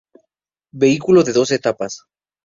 Vehículo de dos etapas.